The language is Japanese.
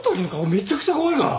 めちゃくちゃ怖いから。